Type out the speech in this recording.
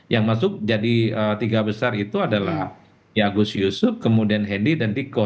yang masuk jadi tiga besar itu adalah ya agus yusuf kemudian hendi dan diko